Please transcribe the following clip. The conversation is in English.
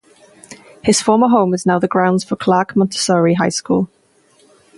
His former home is now the grounds for Clark Montessori High School.